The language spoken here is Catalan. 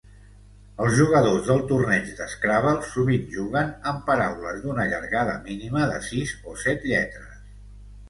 Els jugadors del torneig de Scrabble sovint juguen amb paraules d'una llargada mínima de sis o set lletres.